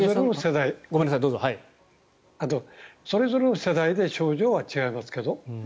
それぞれの世代で症状は違いますけど。